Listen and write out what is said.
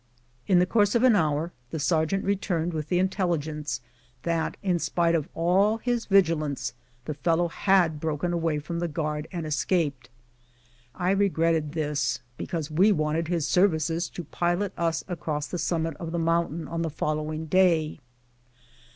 In the, course of an hour the sergeant returned with the intelligence that, in spite of all his vigilance, the fellow had broken away from the guard and escaped. I regretted this, because we wanted his services to pilot us across the summit of the mountain on the following day.